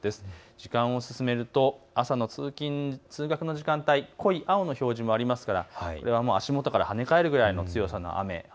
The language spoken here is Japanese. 時間を進めてみると赤の通勤通学の時間帯、濃い青の表示もありますから、足元から跳ね返るぐらいの強さの雨。